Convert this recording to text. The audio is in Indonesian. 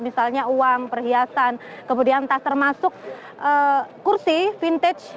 misalnya uang perhiasan kemudian tas termasuk kursi vintage